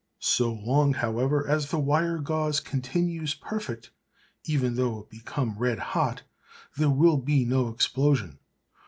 So long, however, as the wire gauze continues perfect, even though it become red hot, there will be no explosion.